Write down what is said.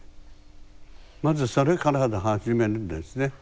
まずそれから始めるんですね。